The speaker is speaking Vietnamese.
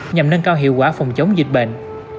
nhằm nâng cao hiệu quả phòng chống dịch bệnh